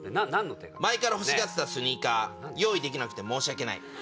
前から欲しがってたスニーカー用意できなくて申し訳ない。